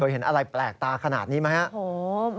เป็นกินอะไรแปลกตาขนาดนี้ไหมฮะ